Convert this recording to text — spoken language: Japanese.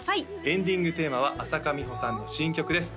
エンディングテーマは朝花美穂さんの新曲です